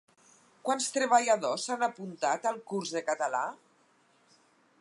Quants treballadors s'han apuntat al curs de català?